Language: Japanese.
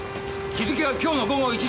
日付は今日の午後１時。